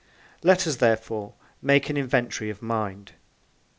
Let us, therefore, make an inventory of mind.